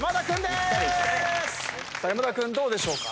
山田君どうでしょうか？